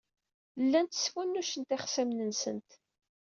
Llant sfunnucent ixṣimen-nsent.